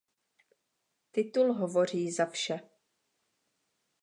Titul hovoří za vše.